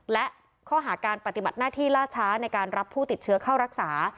และข้อหาการปฏิบัติหน้าที่ล่าช้าในการรับผู้ติดเชื้อเข้ารักษา